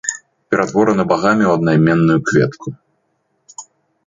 Ператвораны багамі ў аднайменную кветку.